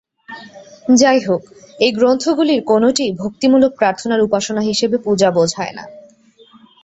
যাইহোক, এই গ্রন্থগুলির কোনটিই ভক্তিমূলক প্রার্থনার উপাসনা হিসাবে পূজা বোঝায় না।